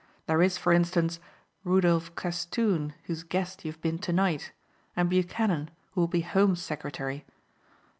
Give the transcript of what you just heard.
There is, for instance, Rudolph Castoon whose guest you have been tonight and Buchanan who will be Home Secretary.